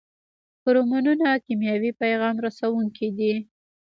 هورمونونه کیمیاوي پیغام رسوونکي دي